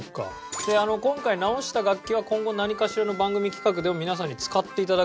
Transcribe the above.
で今回直した楽器は今後何かしらの番組企画でも皆さんに使って頂く。